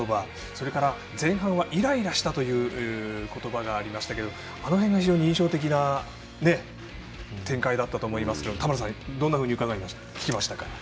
それから、前半はイライラしたという言葉がありましたがあの辺が非常に印象的な展開だったと思いますが田村さんどんなふうに聞きましたか。